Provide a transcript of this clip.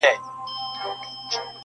دپښتون په تور وهلی هر دوران دی.